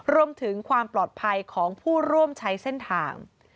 รวมถึงความปลอดภัยของผู้ร่วมใช้เส้นทาง